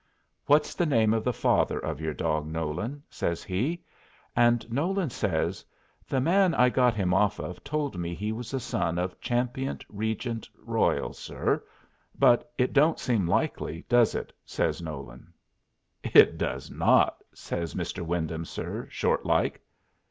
"What's the name of the father of your dog, Nolan?" says he. And Nolan says: "The man I got him off told me he was a son of Champion Regent Royal, sir. But it don't seem likely, does it?" says Nolan. "It does not!" says "Mr. Wyndham, sir," short like.